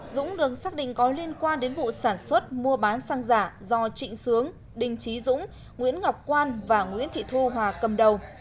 dũng được xác định có liên quan đến vụ sản xuất mua bán xăng giả do trịnh sướng đình trí dũng nguyễn ngọc quan và nguyễn thị thu hòa cầm đầu